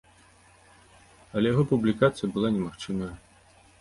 Але яго публікацыя была немагчымая.